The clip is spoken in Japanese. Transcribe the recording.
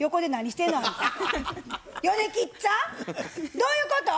どういうこと？